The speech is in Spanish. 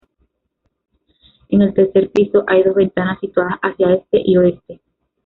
En el tercer piso hay dos ventanas situadas hacia este y oeste.